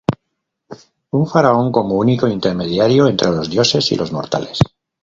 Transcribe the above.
Un faraón como único intermediario entre los dioses y los mortales.